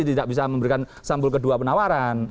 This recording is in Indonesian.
dia tidak bisa memberikan sampul kedua penawaran